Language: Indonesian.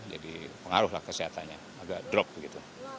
jadi pengaruhlah kesehatannya agak drop begitu